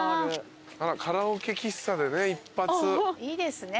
カラオケ喫茶でね